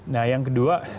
nah yang kedua